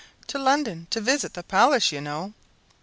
"To London, to visit the palace, you know."